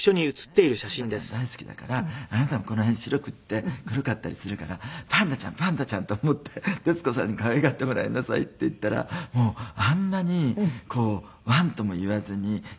この子に「徹子さんはねパンダちゃん大好きだからあなたもこの辺白くって黒かったりするからパンダちゃんパンダちゃんと思って徹子さんに可愛がってもらいなさい」って言ったらあんなに「ワン」とも言わずに徹子さんに。